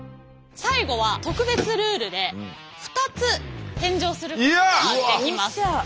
最後は特別ルールで２つ返上することができます。